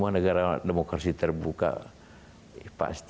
godswares informasi tentang anggaran